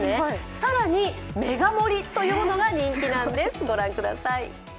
更に、メガ盛りというものが人気なんです。